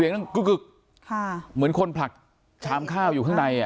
เห็นไหมไม่มีเหมือนคนผลักชามข้าวอยู่ข้างใน